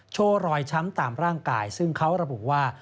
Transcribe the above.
โชว์รอยช้ำตามร่างกายซึ่งเขาระบุว่า